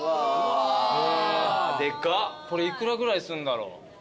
これ幾らぐらいするんだろう。